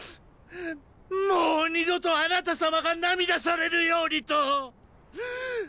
もう二度とあなた様が涙されぬようにとっ！